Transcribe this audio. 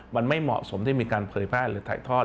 มันไม่เหมาะสมที่มีการเผยแพร่หรือถ่ายทอด